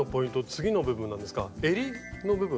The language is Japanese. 次の部分なんですがえりの部分。